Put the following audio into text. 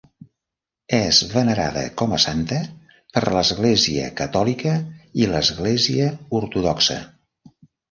És venerada com a santa per l'Església catòlica i l'Església ortodoxa.